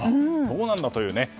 そうなんだという。